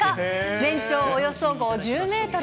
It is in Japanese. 全長およそ５０メートル。